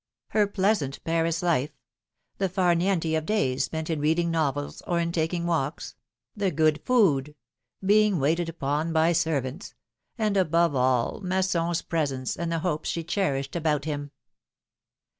— her pleasant Paris life — the far niente of days spent in reading novels or in taking walks — the good food — being waited upon by servants — and above all, Masson's pres ence, and the hopes she cherished about him